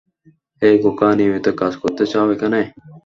হেই খোকা, নিয়মিত কাজ করতে চাও এখানে?